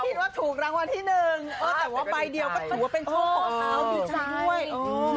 คิดว่าถูกรางวัลที่หนึ่งแต่ว่าใบเดียวก็ถือว่าเป็นโชคของเขาดีใจด้วย